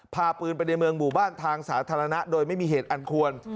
พาปืนไปในเมืองหมู่บ้านทางสาธารณะโดยไม่มีเหตุอันควร